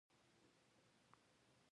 قابلي پلاو څنګه پخیږي؟